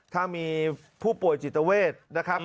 ถ้ามีผู้ป่วยจิตเวทนะครับ